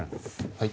はい。